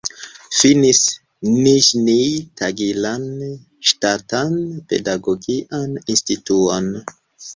Finis Niĵnij-Tagilan Ŝtatan Pedagogian Instituton.